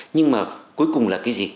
nhưng mà cuối cùng là cái gì